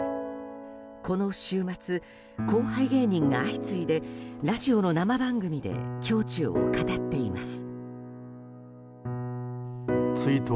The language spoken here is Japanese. この週末、後輩芸人が相次いでラジオの生番組で胸中を語っています。